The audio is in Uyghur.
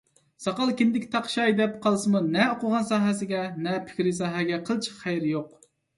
ساقال كىندىككە تاقىشاي دەپ قالسىمۇ نە ئوقۇغان ساھەسىگە، نە پىكرىي ساھەگە قىلچە خەيرى يوق.